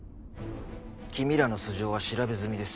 君らの素姓は調べ済みです。